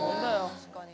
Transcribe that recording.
確かに。